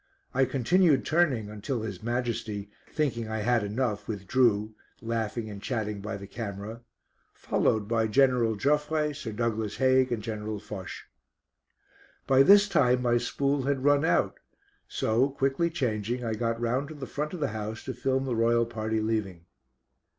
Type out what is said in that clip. I continued turning, until His Majesty, thinking I had enough, withdrew, laughing and chatting by the camera, followed by General Joffre, Sir Douglas Haig, and General Foch. By this time my spool had run out, so quickly changing I got round to the front of the house to film the royal party leaving.